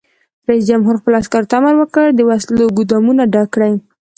رئیس جمهور خپلو عسکرو ته امر وکړ؛ د وسلو ګودامونه ډک کړئ!